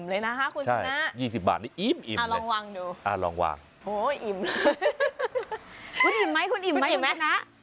อ่ะไงก็๒๐บาทเนี่ยอิ่มเลยนะอ่ะอ่ะหลองวางดูอ่ะลองวางอิ่มไม่ไหม